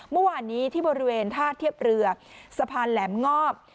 เมื่อวานนี้ที่บริเวณท่าเทียบเรือสะพานแหลมงอบ